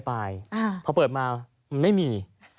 พอเปิดมาไม่มี